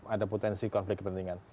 ada potensi konflik kepentingan